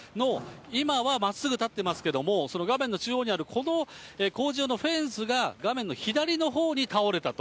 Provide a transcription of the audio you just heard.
今はまっすぐ立ってますけれども、その画面の中央にあるこの工事用のフェンスが画面の左のほうに倒れたと。